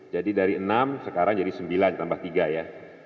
jadi dari enam sekarang jadi sembilan tambah tiga ya